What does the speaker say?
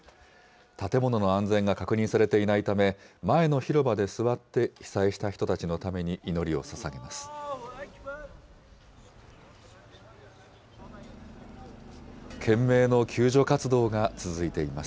建物の安全が確認されていないため、前の広場で座って被災した人たちのために祈りをささげます。